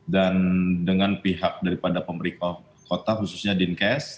dan dengan pihak daripada pemerintah kota khususnya dinkes